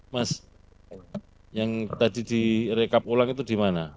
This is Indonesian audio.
mas yang tadi direkap ulang itu di mana